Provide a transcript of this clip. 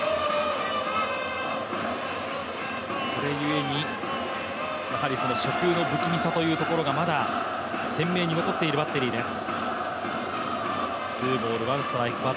それゆえに、初球の不気味さというところが、まだ、鮮明に残っているバッテリーです。